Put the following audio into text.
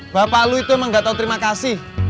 bapak lu itu emang gak tau terima kasih